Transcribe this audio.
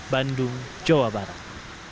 bandung jawa barat